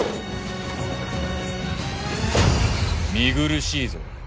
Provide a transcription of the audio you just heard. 見苦しいぞ。